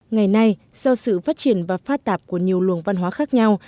ngày nay do sự phát triển và phát tạp của nhiều luồng văn hóa khác nhau